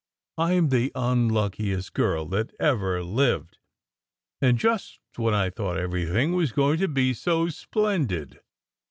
I m the unluckiest girl that ever lived. And just when I thought everything was going to be so splendid."